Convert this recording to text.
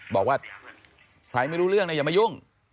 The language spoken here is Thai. บอกว่าใครไม่รู้เรื่องเนี่ยอย่ามายุ่ง